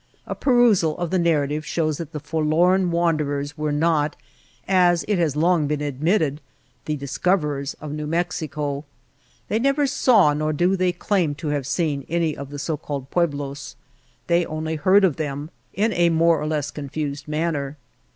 A perusal of the nar rative shows that the forlorn wanderers were not as it has long been admitted the ''discoverers of New Mexico." They never saw, nor do they claim to have seen, any of the so called "Pueblos. " They only heard of them, in a more or less confused manner.